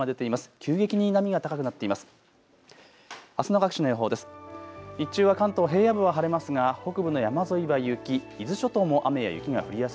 急激に波が高くなっています。